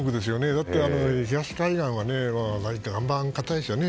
だって、東海岸は岩盤が固いですよね。